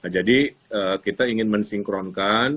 jadi kita ingin mensinkronkan